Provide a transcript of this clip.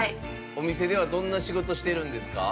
お店ではどんな仕事してるんですか？